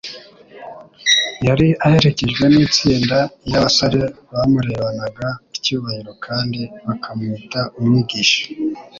Yari aherekejwe n'itsinda iy'abasore bamurebanaga icyubahiro kandi bakamwita Umwigisha.